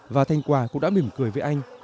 và thanh quà cũng đã mỉm cười với anh